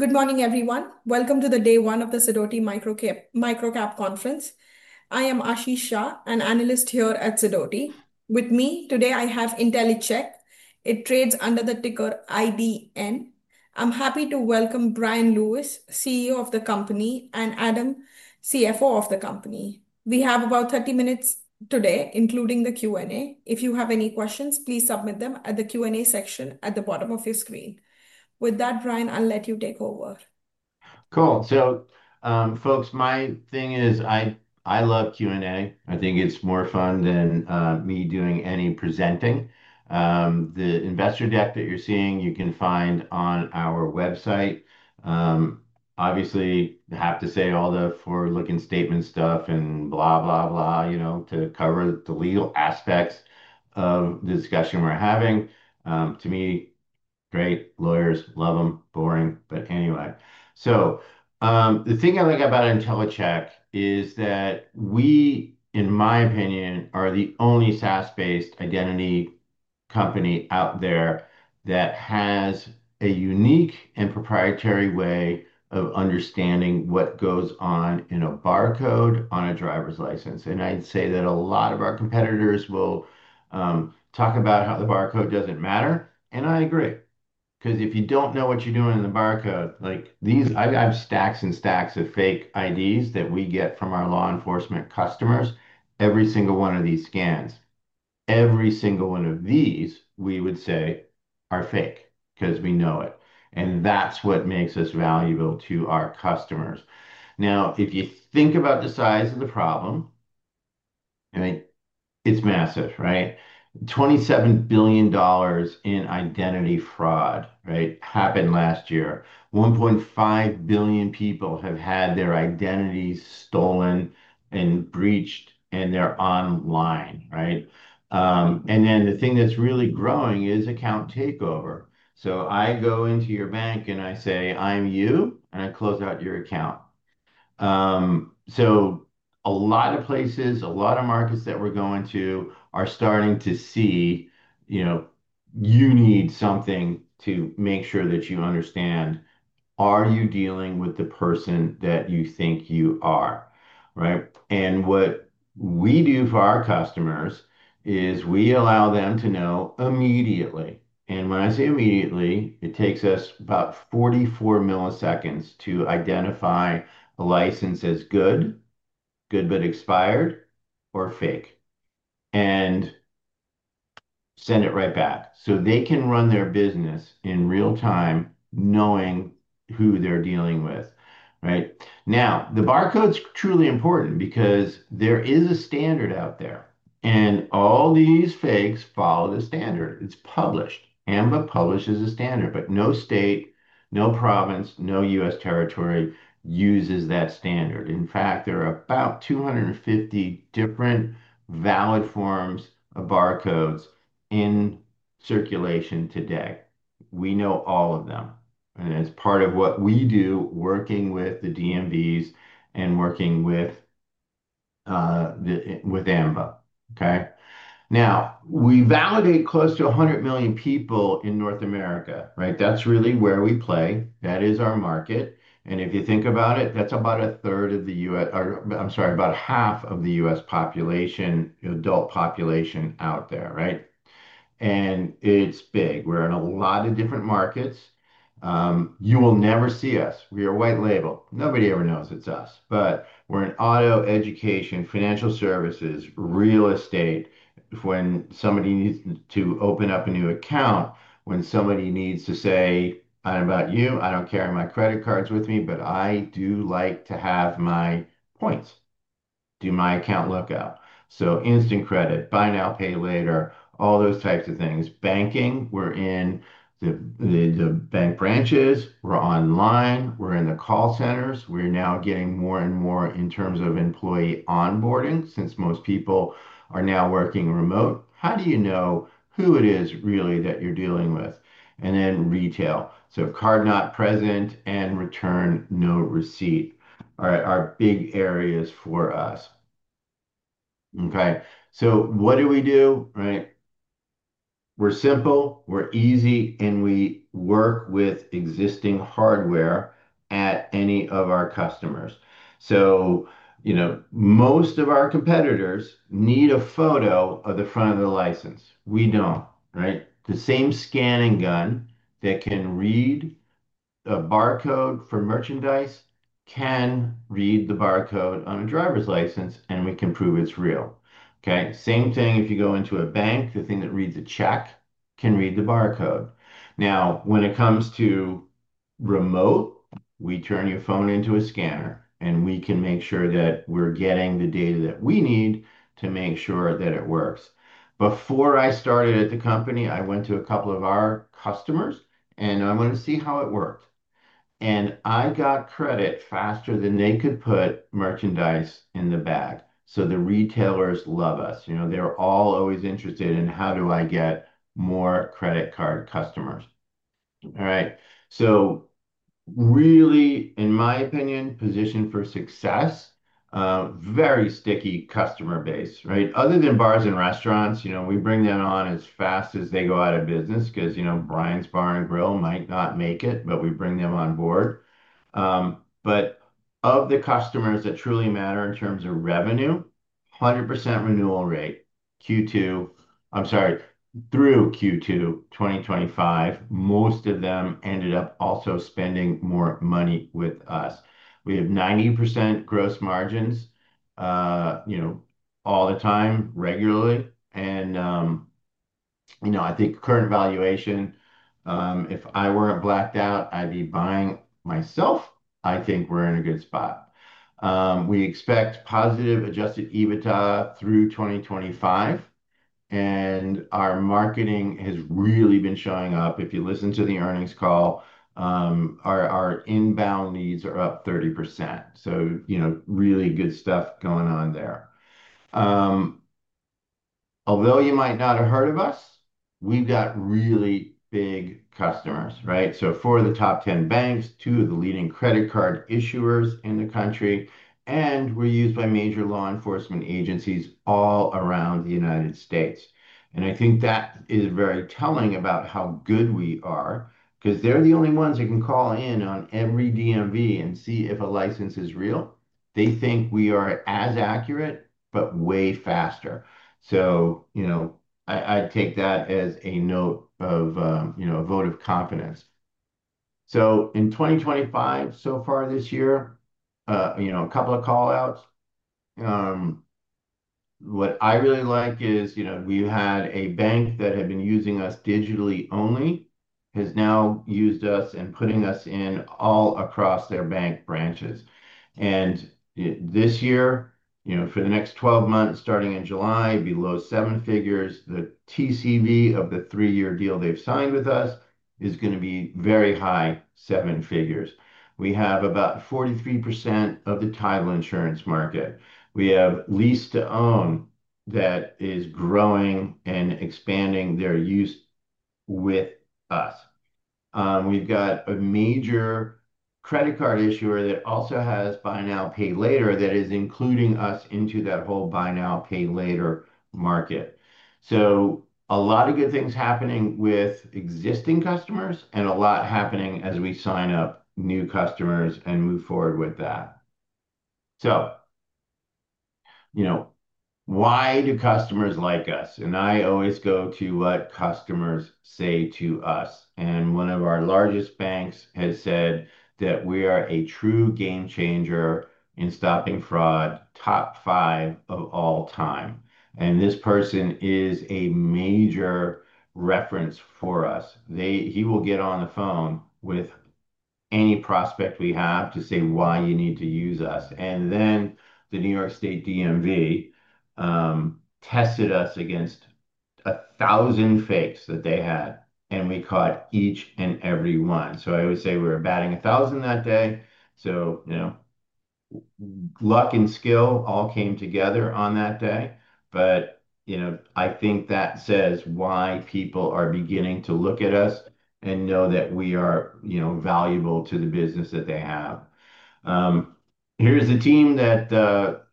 Good morning, everyone. Welcome to day one of the Sidoti Microcap Conference. I am Aashi Shah, an analyst here at Sidoti. With me today, I have Intellicheck. It trades under the ticker IDN. I'm happy to welcome Bryan Lewis, CEO of the company, and Adam, CFO of the company. We have about 30 minutes today, including the Q&A. If you have any questions, please submit them at the Q&A section at the bottom of your screen. With that, Bryan, I'll let you take over. Cool. So, folks, my thing is I love Q&A. I think it's more fun than me doing any presenting. The investor deck that you're seeing, you can find on our website. Obviously, I have to say all the forward-looking statement stuff and blah, blah, blah, you know, to cover the legal aspects of the discussion we're having. To me, great lawyers, love them. Boring. Anyway, the thing I like about Intellicheck is that we, in my opinion, are the only SaaS-based identity company out there that has a unique and proprietary way of understanding what goes on in a barcode on a driver's license. I'd say that a lot of our competitors will talk about how the barcode doesn't matter. I agree, because if you don't know what you're doing in the barcode, like these, I have stacks and stacks of fake IDs that we get from our law enforcement customers. Every single one of these scans, every single one of these, we would say are fake because we know it. That's what makes us valuable to our customers. Now, if you think about the size of the problem, it's massive, right? $27 billion in identity fraud happened last year. 1.5 billion people have had their identities stolen and breached, and they're online, right? The thing that's really growing is account takeover. I go into your bank and I say, I'm you, and I close out your account. A lot of places, a lot of markets that we're going to are starting to see, you know, you need something to make sure that you understand. Are you dealing with the person that you think you are? What we do for our customers is we allow them to know immediately. When I say immediately, it takes us about 44 milliseconds to identify a license as good, good but expired, or fake, and send it right back so they can run their business in real time, knowing who they're dealing with. Right now, the barcode is truly important because there is a standard out there, and all these fakes follow the standard. It's published. AMBA publishes a standard, but no state, no province, no U.S. territory uses that standard. In fact, there are about 250 different valid forms of barcodes in circulation today. We know all of them, and it's part of what we do working with the DMVs and working with AMBA. Now we validate close to 100 million people in North America. That's really where we play. That is our market. If you think about it, that's about a third of the U.S. or I'm sorry, about half of the U.S. population, the adult population out there. Right. And it's big. We're in a lot of different markets. You will never see us. We are white-labeled. Nobody ever knows it's us. We're in auto, education, financial services, real estate. When somebody needs to open up a new account, when somebody needs to say, I don't know about you, I don't carry my credit cards with me, but I do like to have my points do my account lookup. Instant credit, buy now, pay later, all those types of things. Banking, we're in the bank branches, we're online, we're in the call centers. We're now getting more and more in terms of employee onboarding since most people are now working remote. How do you know who it is really that you're dealing with? Retail, card not present and return no receipt are big areas for us. Okay, what do we do? We're simple, we're easy, and we work with existing hardware at any of our customers. Most of our competitors need a photo of the front of the license. We don't. The same scanning gun that can read a barcode for merchandise can read the barcode on a driver's license, and we can prove it's real. Same thing if you go into a bank, the thing that reads a check can read the barcode. When it comes to remote, we turn your phone into a scanner, and we can make sure that we're getting the data that we need to make sure that it works. Before I started at the company, I went to a couple of our customers, and I wanted to see how it worked. I got credit faster than they could put merchandise in the bag. The retailers love us. They're always interested in how do I get more credit card customers. In my opinion, positioned for success, very sticky customer base. Other than bars and restaurants, we bring them on as fast as they go out of business because Brian's Bar and Grill might not make it, but we bring them on board. Of the customers that truly matter in terms of revenue, 100% renewal rate through Q2 2025. Most of them ended up also spending more money with us. We have 90% gross margins, all the time, regularly. I think current valuation, if I weren't blacked out, I'd be buying myself. I think we're in a good spot. We expect positive adjusted EBITDA through 2025. Our marketing has really been showing up. If you listen to the earnings call, our inbound leads are up 30%. Really good stuff going on there. Although you might not have heard of us, we've got really big customers, right? Four of the top ten banks, two of the leading credit card issuers in the country, and we're used by major law enforcement agencies all around the United States. I think that is very telling about how good we are, because they're the only ones who can call in on every DMV and see if a license is real. They think we are as accurate, but way faster. I take that as a note of a vote of confidence. In 2025, so far this year, a couple of call outs. What I really like is we had a bank that had been using us digitally only, has now used us and is putting us in all across their bank branches. This year, for the next 12 months starting in July, it'd be low seven figures. The TCV of the three-year deal they've signed with us is going to be very high, seven figures. We have about 43% of the title insurance market. We have lease to own that is growing and expanding their use with us. We've got a major credit card issuer that also has buy now, pay later that is including us into that whole buy now, pay later market. A lot of good things are happening with existing customers and a lot happening as we sign up new customers and move forward with that. Why do customers like us? I always go to what customers say to us. One of our largest banks has said that we are a true game changer in stopping fraud, top five of all time. This person is a major reference for us. He will get on the phone with any prospect we have to say why you need to use us. The New York State DMV tested us against a thousand fakes that they had, and we caught each and every one. I would say we were batting a thousand that day. Luck and skill all came together on that day. I think that says why people are beginning to look at us and know that we are valuable to the business that they have. Here's the team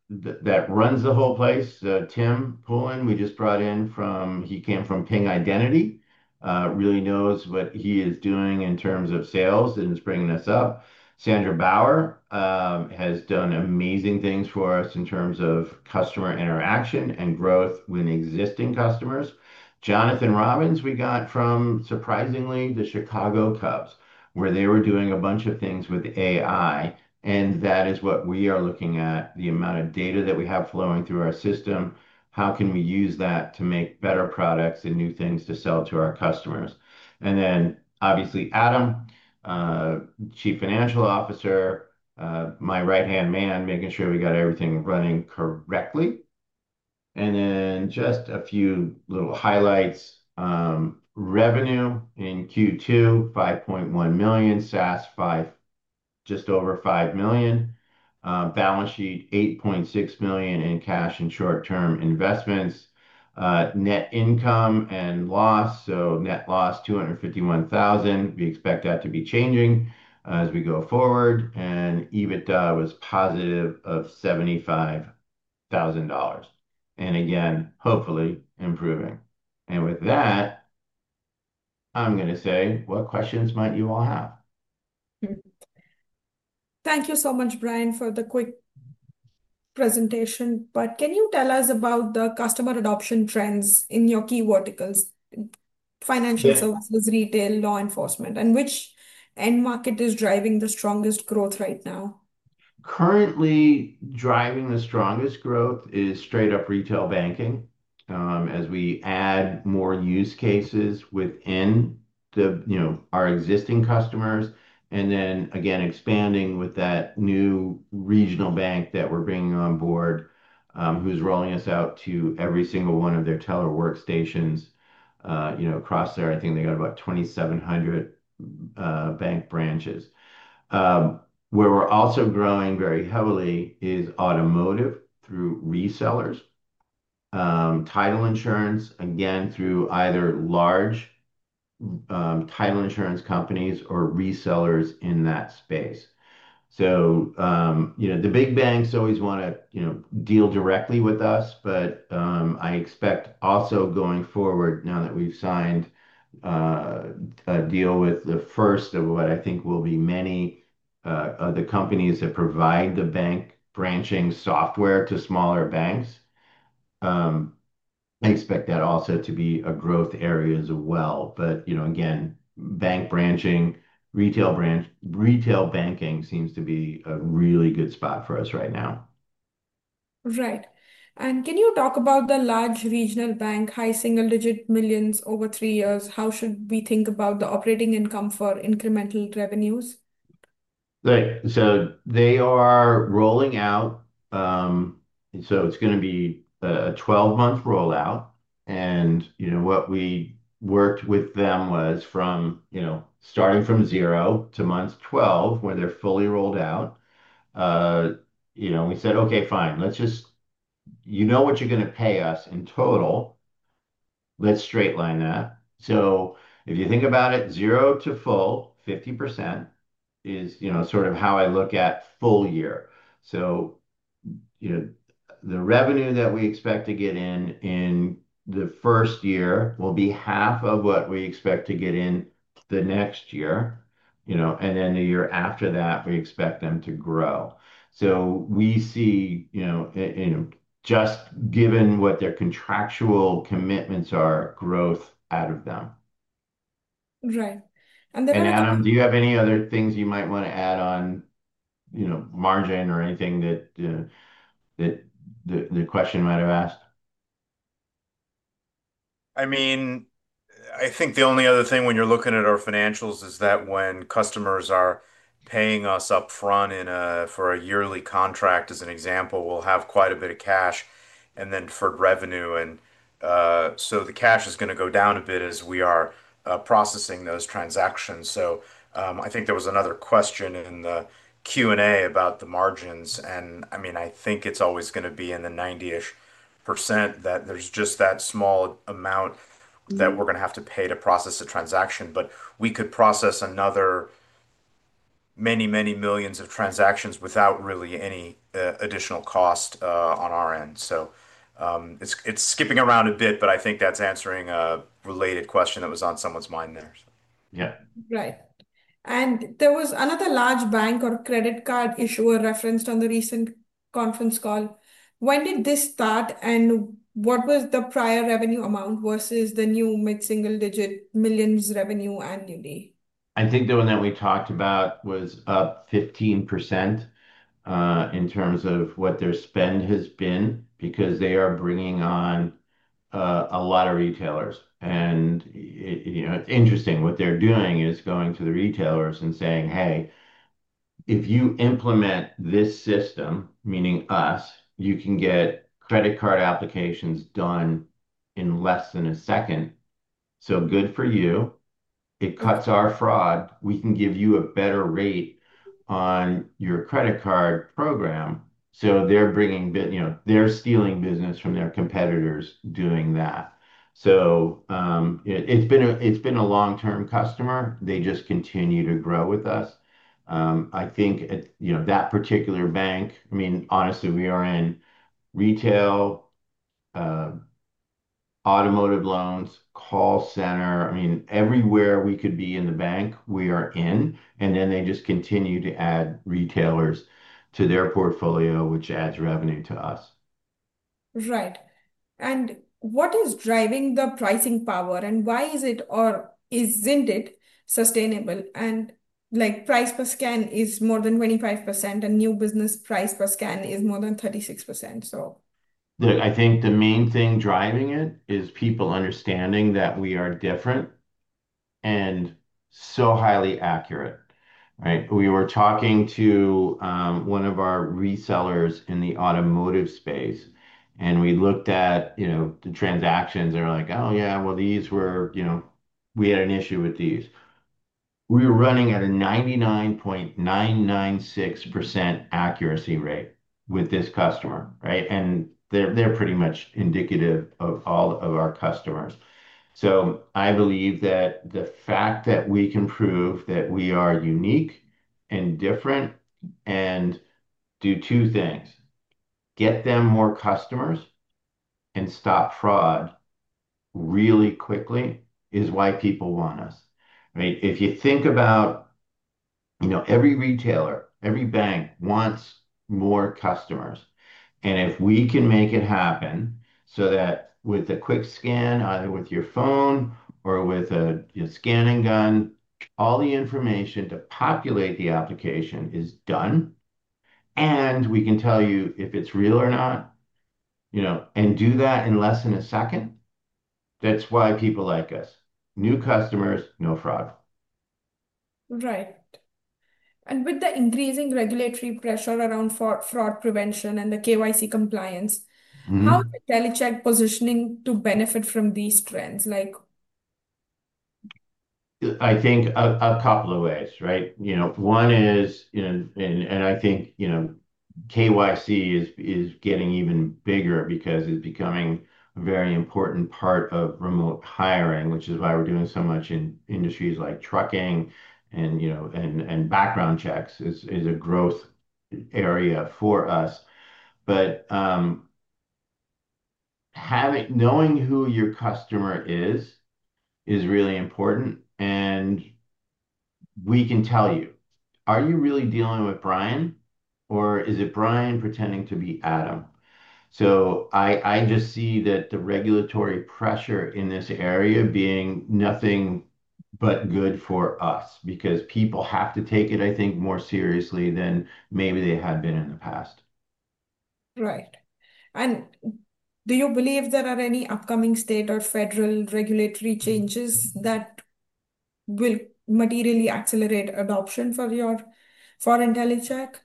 that runs the whole place. Tim Poulin we just brought in from, he came from Ping Identity, really knows what he is doing in terms of sales and is bringing us up. Sandra Bower has done amazing things for us in terms of customer interaction and growth with existing customers. Jonathan Robins, we got from surprisingly the Chicago Cubs, where they were doing a bunch of things with AI. That is what we are looking at, the amount of data that we have flowing through our system. How can we use that to make better products and new things to sell to our customers? Obviously Adam, Chief Financial Officer, my right-hand man, making sure we got everything running correctly. Just a few little highlights: revenue in Q2, $5.1 million; SaaS, just over $5 million. Balance sheet, $8.6 million in cash and short-term investments. Net income and loss, so net loss $251,000. We expect that to be changing as we go forward. EBITDA was positive at $75,000, and again, hopefully improving. With that, I'm going to say what questions might you all have? Thank you so much, Bryan, for the quick presentation. Can you tell us about the customer adoption trends in your key verticals, financial services, retail, law enforcement, and which end market is driving the strongest growth right now? Currently, driving the strongest growth is straight up retail banking. As we add more use cases within our existing customers, and then again expanding with that new regional bank that we're bringing on board, who's rolling us out to every single one of their teller workstations across there, I think they got about 2,700 bank branches. Where we're also growing very heavily is automotive through resellers, title insurance, again through either large title insurance companies or resellers in that space. The big banks always want to deal directly with us. I expect also going forward now that we've signed a deal with the first of what I think will be many of the companies that provide the bank branching software to smaller banks. I expect that also to be a growth area as well. Bank branching, retail branch, retail banking seems to be a really good spot for us right now. Right. Can you talk about the large regional bank, high single-digit millions over three years? How should we think about the operating income for incremental revenues? Right. They are rolling out, so it's going to be a 12-month rollout. What we worked with them was from starting from zero to month 12 when they're fully rolled out. We said, okay, fine, let's just, you know what you're going to pay us in total, let's straight line that. If you think about it, zero to full, 50% is sort of how I look at full year. The revenue that we expect to get in the first year will be half of what we expect to get in the next year, and then the year after that, we expect them to grow. We see, just given what their contractual commitments are, growth out of them. Right. Adam, do you have any other things you might want to add on, you know, margin or anything that the question might have asked? I think the only other thing when you're looking at our financials is that when customers are paying us up front for a yearly contract, as an example, we'll have quite a bit of cash and then for revenue. The cash is going to go down a bit as we are processing those transactions. I think there was another question in the Q&A about the margins. I think it's always going to be in the 90% that there's just that small amount that we're going to have to pay to process a transaction. We could process another many, many millions of transactions without really any additional cost on our end. It's skipping around a bit, but I think that's answering a related question that was on someone's mind there. Right. There was another large bank or credit card issuer referenced on the recent conference call. When did this start and what was the prior revenue amount versus the new mid-single-digit millions revenue annually? I think the one that we talked about was up 15%, in terms of what their spend has been because they are bringing on a lot of retailers. What they're doing is going to the retailers and saying, hey, if you implement this system, meaning us, you can get credit card applications done in less than a second. Good for you. It cuts our fraud. We can give you a better rate on your credit card program. They're bringing, you know, they're stealing business from their competitors doing that. It's been a long-term customer. They just continue to grow with us. I think, you know, that particular bank, I mean, honestly, we are in retail, automotive loans, call center. Everywhere we could be in the bank, we are in. They just continue to add retailers to their portfolio, which adds revenue to us. Right. What is driving the pricing power, and why is it, or isn't it, sustainable? Price per scan is more than 25%, and new business price per scan is more than 36%. I think the main thing driving it is people understanding that we are different and so highly accurate. We were talking to one of our resellers in the automotive space, and we looked at the transactions. They're like, oh yeah, well, these were, you know, we had an issue with these. We were running at a 99.996% accuracy rate with this customer, and they're pretty much indicative of all of our customers. I believe that the fact that we can prove that we are unique and different and do two things, get them more customers and stop fraud really quickly, is why people want us. If you think about it, every retailer, every bank wants more customers. If we can make it happen so that with a quick scan, either with your phone or with a scanning gun, all the information to populate the application is done, and we can tell you if it's real or not, and do that in less than a second, that's why people like us. New customers, no fraud. Right. With the increasing regulatory pressure around fraud prevention and KYC compliance, how is Intellicheck positioning to benefit from these trends? I think a couple of ways, right? One is, KYC is getting even bigger because it's becoming a very important part of remote hiring, which is why we're doing so much in industries like trucking, and background checks is a growth area for us. Having knowing who your customer is is really important. We can tell you, are you really dealing with Bryan or is it Bryan pretending to be Adam? I just see that the regulatory pressure in this area being nothing but good for us because people have to take it, I think, more seriously than maybe they had been in the past. Right. Do you believe there are any upcoming state or federal regulatory changes that will materially accelerate adoption for Intellicheck?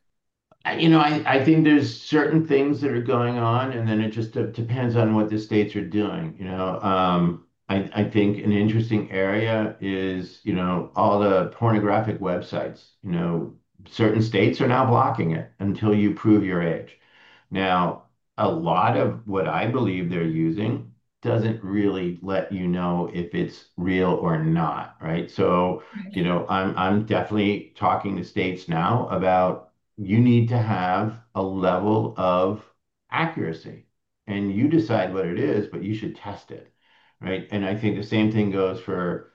I think there's certain things that are going on, and then it just depends on what the states are doing. I think an interesting area is all the pornographic websites. Certain states are now blocking it until you prove your age. Now, a lot of what I believe they're using doesn't really let you know if it's real or not. Right. I'm definitely talking to states now about you need to have a level of accuracy, and you decide what it is, but you should test it. I think the same thing goes for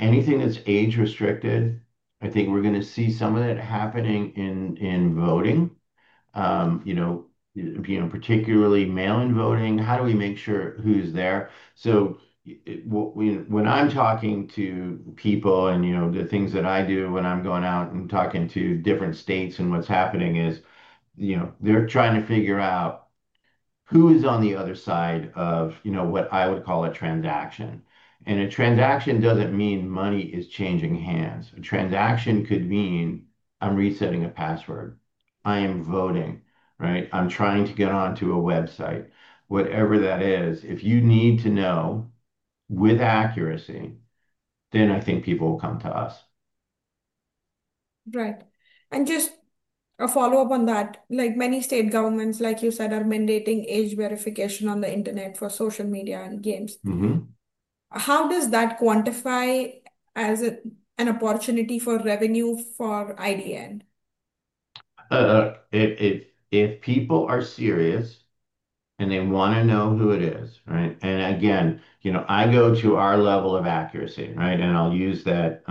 anything that's age-restricted. I think we're going to see some of it happening in voting, particularly mail-in voting. How do we make sure who's there? When I'm talking to people and the things that I do when I'm going out and talking to different states and what's happening is they're trying to figure out who is on the other side of what I would call a transaction. A transaction doesn't mean money is changing hands. A transaction could mean I'm resetting a password. I am voting. I'm trying to get onto a website, whatever that is. If you need to know with accuracy, then I think people will come to us. Right. Just a follow-up on that. Like many state governments, like you said, are mandating age verification on the internet for social media and games. How does that quantify as an opportunity for revenue for IDN? If people are serious and they want to know who it is, right? I go to our level of accuracy, right? I'll use that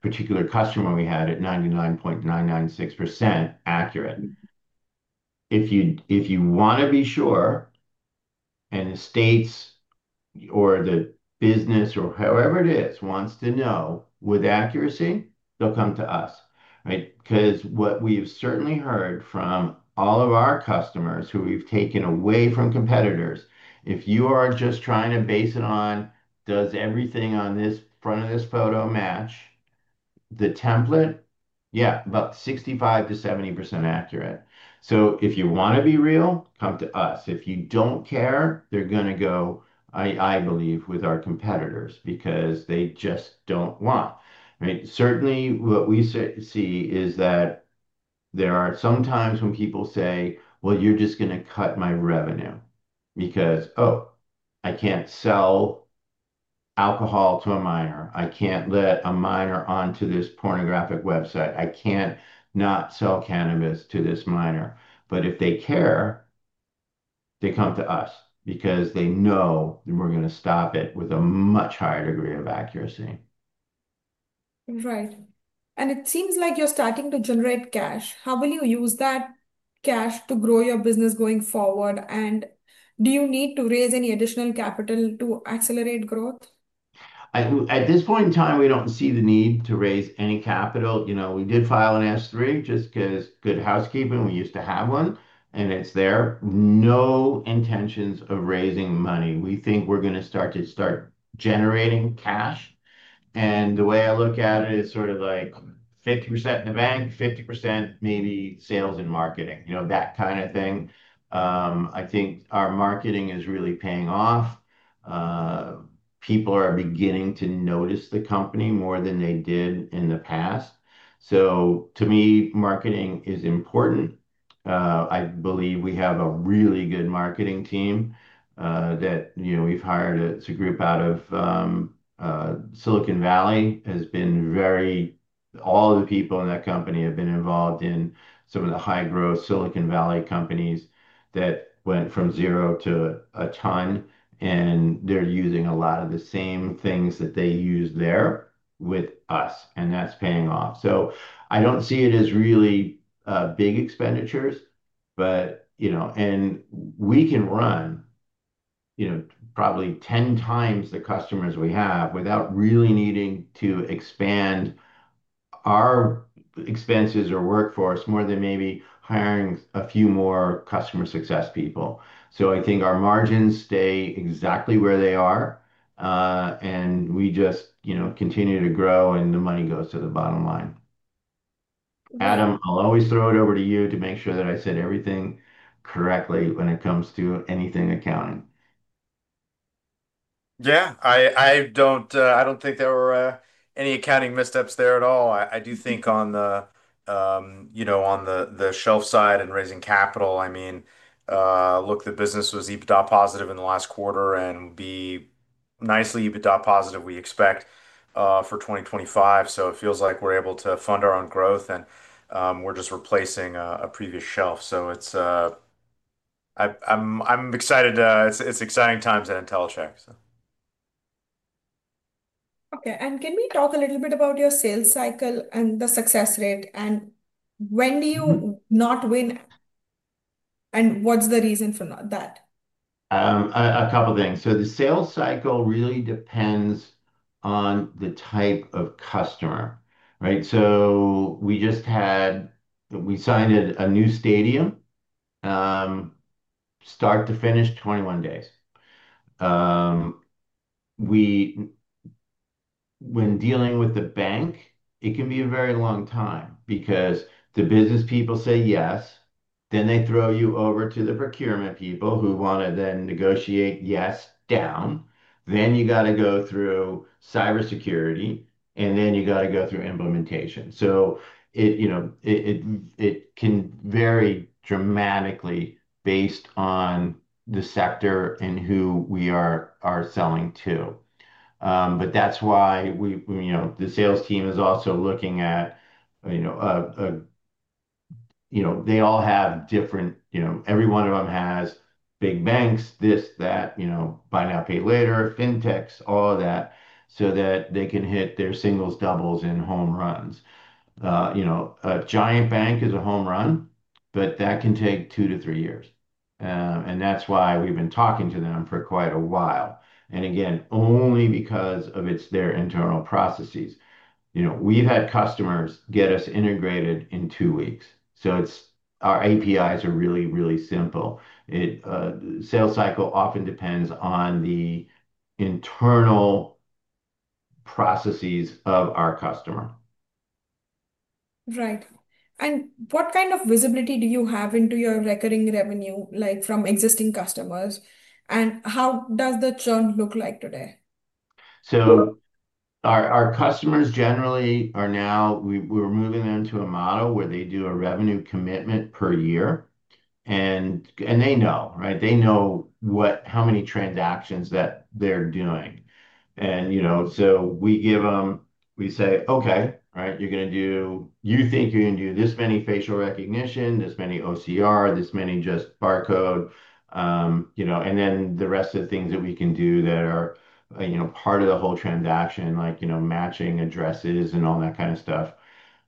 particular customer we had at 99.996% accurate. If you want to be sure and the states or the business or whoever it is wants to know with accuracy, they'll come to us. What we've certainly heard from all of our customers who we've taken away from competitors, if you are just trying to base it on, does everything on this front of this photo match the template, about 65%-70% accurate. If you want to be real, come to us. If you don't care, they're going to go, I believe, with our competitors because they just don't want. Certainly what we see is that there are some times when people say, you're just going to cut my revenue because, oh, I can't sell alcohol to a minor. I can't let a minor onto this pornographic website. I can't not sell cannabis to this minor. If they care, they come to us because they know that we're going to stop it with a much higher degree of accuracy. Right. It seems like you're starting to generate cash. How will you use that cash to grow your business going forward? Do you need to raise any additional capital to accelerate growth? At this point in time, we don't see the need to raise any capital. We did file an S-3 just because good housekeeping, we used to have one, and it's there. No intentions of raising money. We think we're going to start generating cash. The way I look at it is sort of like 50% in the bank, 50% maybe sales and marketing, you know, that kind of thing. I think our marketing is really paying off. People are beginning to notice the company more than they did in the past. To me, marketing is important. I believe we have a really good marketing team, that, you know, we've hired a group out of Silicon Valley. All the people in that company have been involved in some of the high growth Silicon Valley companies that went from zero to a ton. They're using a lot of the same things that they use there with us, and that's paying off. I don't see it as really big expenditures, but we can run probably 10x the customers we have without really needing to expand our expenses or workforce more than maybe hiring a few more customer success people. I think our margins stay exactly where they are, and we just continue to grow and the money goes to the bottom line. Adam, I'll always throw it over to you to make sure that I said everything correctly when it comes to anything accounting. I don't think there were any accounting missteps there at all. I do think on the shelf side and raising capital, the business was EBITDA positive in the last quarter and will be nicely EBITDA positive, we expect, for 2025. It feels like we're able to fund our own growth and we're just replacing a previous shelf. I'm excited. It's exciting times at Intellicheck. Okay. Can we talk a little bit about your sales cycle and the success rate? When do you not win, and what's the reason for that? A couple of things. The sales cycle really depends on the type of customer. We just had, we signed a new stadium, start to finish, 21 days. When dealing with the bank, it can be a very long time because the business people say yes, then they throw you over to the procurement people who want to then negotiate yes down. Then you have to go through cybersecurity, and then you have to go through implementation. It can vary dramatically based on the sector and who we are selling to. That's why the sales team is also looking at, you know, they all have different, you know, every one of them has big banks, this, that, buy now, pay later, fintechs, all of that, so that they can hit their singles, doubles, and home runs. A giant bank is a home run, but that can take two to three years. That's why we've been talking to them for quite a while, only because of their internal processes. We've had customers get us integrated in two weeks. Our APIs are really, really simple. The sales cycle often depends on the internal processes of our customer. Right. What kind of visibility do you have into your recurring revenue, like from existing customers? How does the churn look like today? Our customers generally are now, we're moving them to a model where they do a revenue commitment per year. They know, right? They know how many transactions that they're doing. We give them, we say, okay, all right, you're going to do, you think you're going to do this many facial recognition, this many OCR, this many just barcode, and then the rest of the things that we can do that are part of the whole transaction, like matching addresses and all that kind of stuff.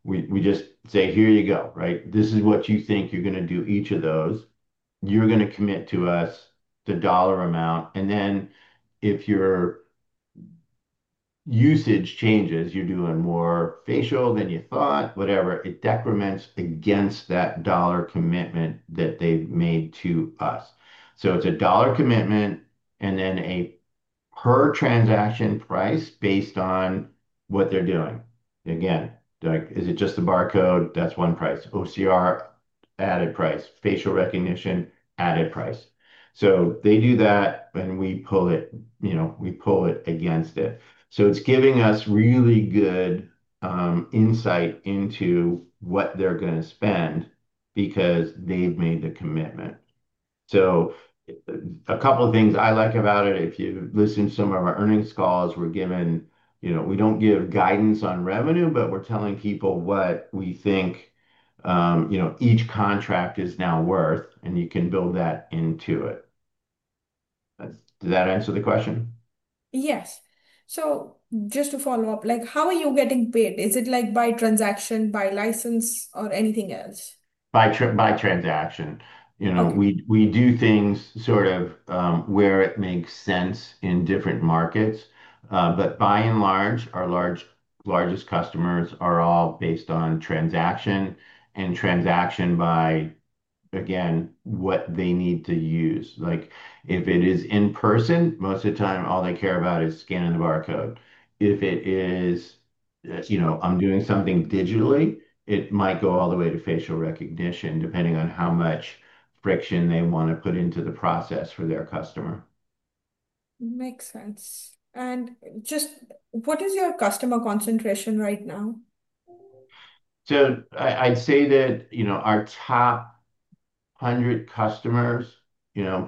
We just say, here you go, right? This is what you think you're going to do each of those. You're going to commit to us the dollar amount. If your usage changes, you're doing more facial than you thought, whatever, it decrements against that dollar commitment that they've made to us. It's a dollar commitment and then a per transaction price based on what they're doing. Again, like, is it just the barcode? That's one price. OCR, added price. Facial recognition, added price. They do that and we pull it, we pull it against it. It's giving us really good insight into what they're going to spend because they've made the commitment. A couple of things I like about it, if you listen to some of our earnings calls, we're given, we don't give guidance on revenue, but we're telling people what we think each contract is now worth, and you can build that into it. Does that answer the question? Yes, just to follow up, how are you getting paid? Is it by transaction, by license, or anything else? By transaction. We do things sort of where it makes sense in different markets, but by and large, our largest customers are all based on transaction and transaction by, again, what they need to use. Like, if it is in person, most of the time, all they care about is scanning the barcode. If it is, you know, I'm doing something digitally, it might go all the way to facial recognition, depending on how much friction they want to put into the process for their customer. Makes sense. What is your customer concentration right now? I'd say that our top 100 customers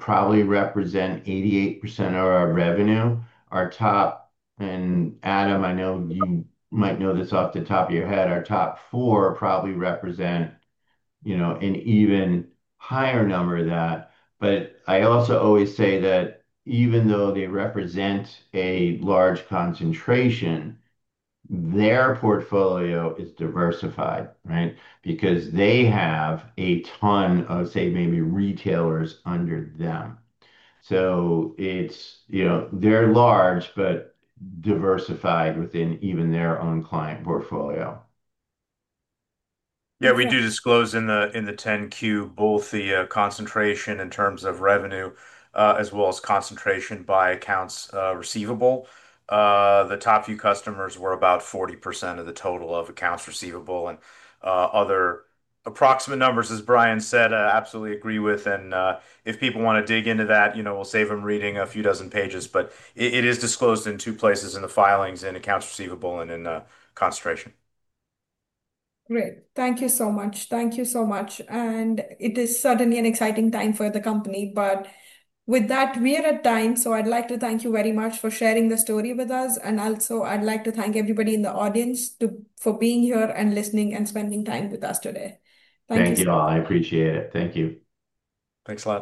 probably represent 88% of our revenue. Our top, and Adam, I know you might know this off the top of your head, our top four probably represent an even higher number of that. I also always say that even though they represent a large concentration, their portfolio is diversified, right? Because they have a ton of, say, maybe retailers under them. It's, you know, they're large, but diversified within even their own client portfolio. Yeah, we do disclose in the 10-Q both the concentration in terms of revenue, as well as concentration by accounts receivable. The top few customers were about 40% of the total of accounts receivable. Other approximate numbers, as Bryan said, I absolutely agree with. If people want to dig into that, you know, we'll save them reading a few dozen pages. It is disclosed in two places in the filings, in accounts receivable and in the concentration. Great. Thank you so much. It is certainly an exciting time for the company. With that, we are at time. I'd like to thank you very much for sharing the story with us. I'd also like to thank everybody in the audience for being here and listening and spending time with us today. Thank you all. I appreciate it. Thank you. Thanks a lot.